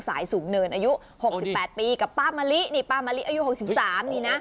สายสูงเนินอายุหกสิบแปดปีกับป้ามะลินี่ป้ามะลิอายุหกสิบสามนี่นะ